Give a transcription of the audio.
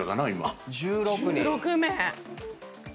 １６名。